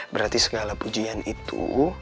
berarti segala pujian itu